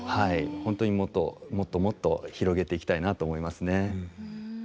本当にもっともっともっと広げていきたいなと思いますね。